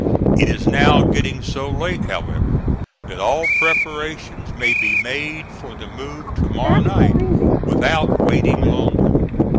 It is now getting so late, however, that all preparations may be made for the move to morrow night without waiting longer.